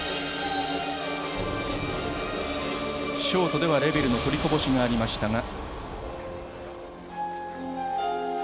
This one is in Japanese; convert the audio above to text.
ショートではレベルの取りこぼしがありました。